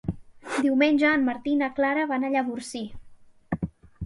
Diumenge en Martí i na Clara van a Llavorsí.